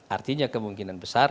artinya kemungkinan besar